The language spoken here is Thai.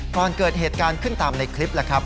ก่อนเกิดเหตุการณ์ขึ้นตามในคลิป